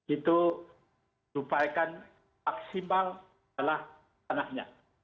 itu diupayakan maksimal adalah tanahnya